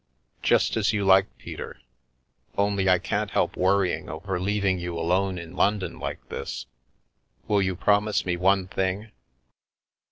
"Just as you like, Peter. Only I can't help worry ing over leaving you alone in London like this. Will you promise me one thing?"